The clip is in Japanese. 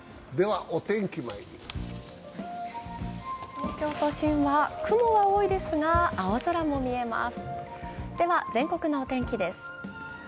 東京都心は雲は多いですが、青空も見えます。